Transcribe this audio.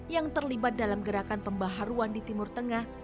yang terlibat dalam gerakan pembaharuan di timur tengah